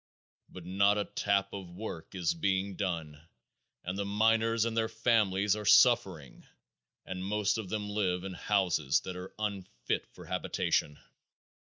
But not a tap of work is being done, and the miners and their families are suffering, and most of them live in houses that are unfit for habitation.